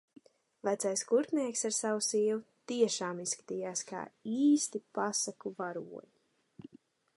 Vecais kurpnieks ar savu sievu tiešām izskatījās kā īsti pasaku varoņi.